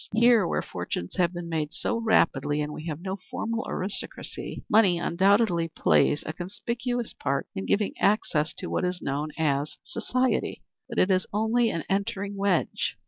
Here, where fortunes have been made so rapidly, and we have no formal aristocracy, money undoubtedly plays a conspicuous part in giving access to what is known as society. But it is only an entering wedge.